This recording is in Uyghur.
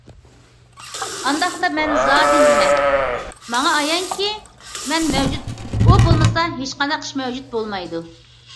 ئانداقتا،« مەن» زادى نېمە؟ ماڭا ئايانكى،« مەن» مەۋجۇت، ئۇ بولمىسا، ھېچقانداق ئىش مەۋجۇت بولمايدۇ.